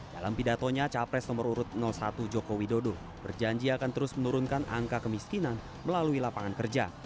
dalam pidatonya capres nomor urut satu jokowi dodo berjanji akan terus menurunkan angka kemiskinan melalui lapangan kerja